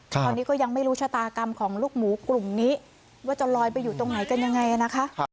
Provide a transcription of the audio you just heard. ตอนนี้ก็ยังไม่รู้ชะตากรรมของลูกหมูกลุ่มนี้ว่าจะลอยไปอยู่ตรงไหนกันยังไงนะคะ